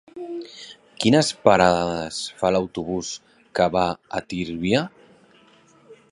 Quines parades fa l'autobús que va a Tírvia?